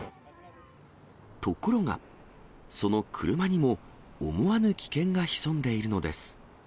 ところが、その車にも、思わぬ危険が潜んでいるのです。